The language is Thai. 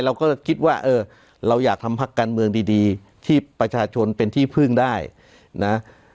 เราก็คิดว่าเออเราอยากทำพักการเมืองดีที่ประชาชนเป็นที่พึ่งได้นะ